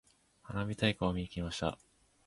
花火大会を見に行きました。